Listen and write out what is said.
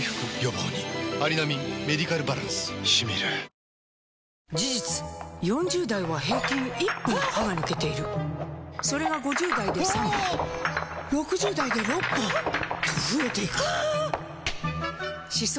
さわやか男性用」事実４０代は平均１本歯が抜けているそれが５０代で３本６０代で６本と増えていく歯槽